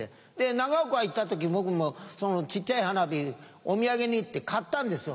長岡行った時僕もその小っちゃい花火お土産にって買ったんですよ。